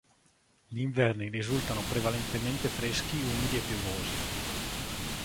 Gli inverni risultano prevalentemente freschi, umidi e piovosi.